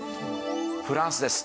フランスです。